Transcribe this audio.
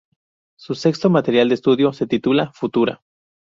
Su sexto material de estudio se titula "Futura".